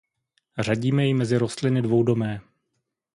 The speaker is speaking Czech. Řadíme ji mezi rostliny dvoudomé.